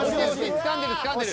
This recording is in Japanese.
つかんでるつかんでる。